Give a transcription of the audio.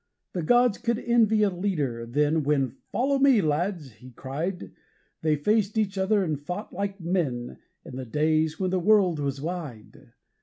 The gods could envy a leader then when 'Follow me, lads!' he cried They faced each other and fought like men in the days when the world was wide.